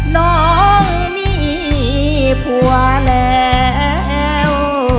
น้องมีผัวแล้ว